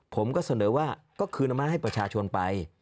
ผมก็เสนอว่าก็คืนเอามาให้ประชาชนไป